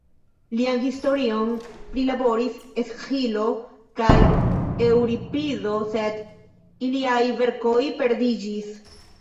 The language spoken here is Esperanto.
Lian historion prilaboris Esĥilo kaj Eŭripido, sed iliaj verkoj perdiĝis.